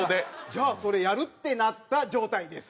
じゃあそれやる？ってなった状態です。